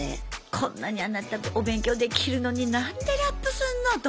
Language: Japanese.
こんなにあなたお勉強できるのに何でラップすんのと。